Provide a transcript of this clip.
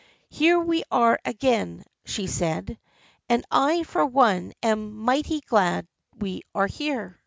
" Here we are again," she said, " and I for one am mighty glad we are here.